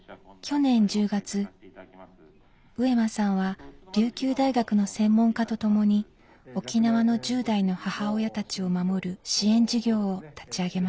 去年１０月上間さんは琉球大学の専門家と共に沖縄の１０代の母親たちを守る支援事業を立ち上げました。